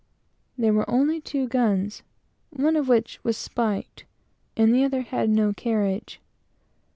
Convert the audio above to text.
There were only two guns, one of which was spiked, and the other had no carriage.